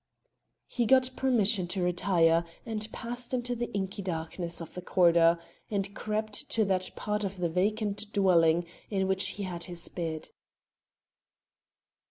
He got permission to retire, and passed into the inky darkness of the corridor, and crept to that part of the vacant dwelling in which he had his bed.